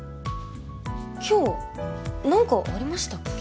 今日何かありましたっけ？